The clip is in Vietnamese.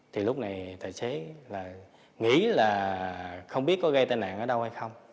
thì lúc này tài xế là nghĩ là không biết có gây tai nạn ở đâu hay không